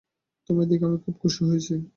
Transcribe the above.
তোমায় দেখে আমি খুব খুশি হয়েছি।